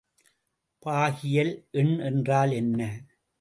பாகியல் எண் என்றால் என்ன?